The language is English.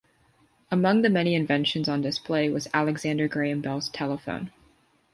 Among the many inventions on display was Alexander Graham Bell's telephone.